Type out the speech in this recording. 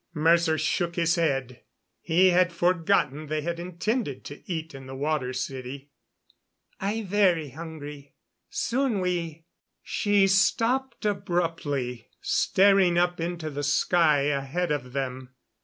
Mercer shook his head. He had forgotten they had intended to eat in the Water City. "I very hungry. Soon we " She stopped abruptly, staring up into the sky ahead of them.